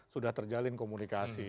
sudah terjalin komunikasi